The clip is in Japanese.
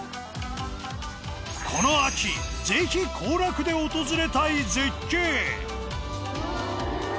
この秋ぜひ行楽で訪れたい絶景。